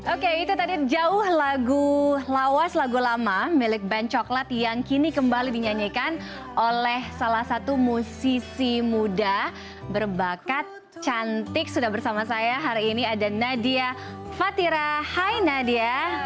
oke itu tadi jauh lagu lawas lagu lama milik band coklat yang kini kembali dinyanyikan oleh salah satu musisi muda berbakat cantik sudah bersama saya hari ini ada nadia fatira hai nadia